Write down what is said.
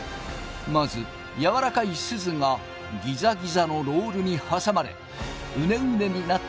まずやわらかいすずがギザギザのロールに挟まれうねうねになったあと昴